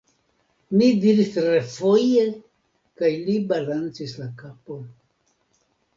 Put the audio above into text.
mi diris refoje, kaj li balancis la kapon.